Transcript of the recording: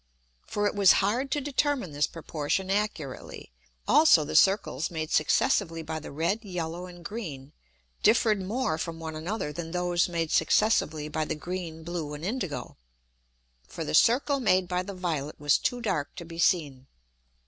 For it was hard to determine this Proportion accurately. Also the Circles made successively by the red, yellow, and green, differ'd more from one another than those made successively by the green, blue, and indigo. For the Circle made by the violet was too dark to be seen.